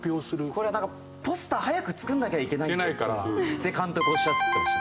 これなんかポスター早く作んなきゃいけないって監督おっしゃってました。